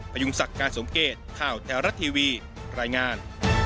พยุงศักดิ์การสมเกตข่าวแท้รัฐทีวีรายงาน